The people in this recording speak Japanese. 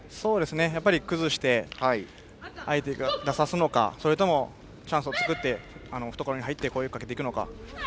崩して相手に出させるのかそれともチャンスを作って懐に入って攻撃をかけていくのか。